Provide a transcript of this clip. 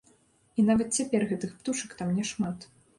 І нават цяпер гэтых птушак там няшмат.